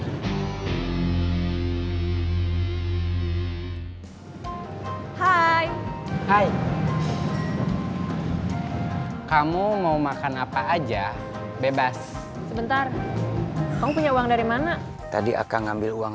hai hai hai kamu mau makan apa aja bebas sebentar kau punya uang dari mana tadi akan ngambil uang